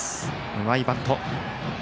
うまいバント。